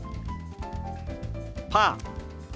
「パー」。